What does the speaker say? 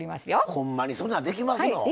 ほんまにそんなんできますのん？